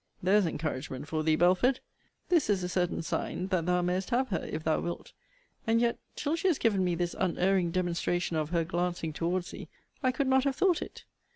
There's encouragement for thee, Belford! This is a certain sign that thou may'st have her if thou wilt. And yet, till she has given me this unerring demonstration of her glancing towards thee, I could not have thought it.